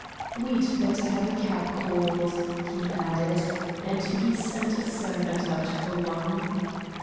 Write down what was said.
"We'd better have a cab called," he added, and he sent a servant out for one.